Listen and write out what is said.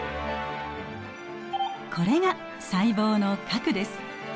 これが細胞の核です。